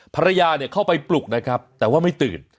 ภรรยาเข้าไปปลุกนะครับแต่ว่าไม่ตื่น